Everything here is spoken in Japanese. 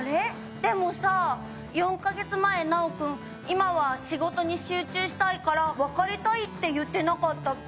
でもさ４カ月前ナオ君「今は仕事に集中したいから別れたい」って言ってなかったっけ？